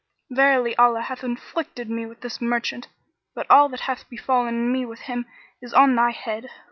Verily Allah hath afflicted me with this merchant: but all that hath befallen me with him is on thy head.